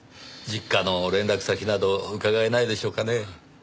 実家の連絡先など伺えないでしょうかね？